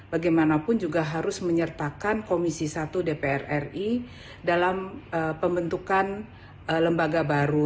bagaimanapun juga harus menyertakan komisi satu dpr ri dalam pembentukan lembaga baru